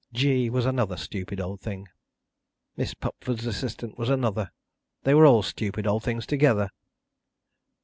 G was another stupid old thing. Miss Pupford's assistant was another. They were all stupid old things together.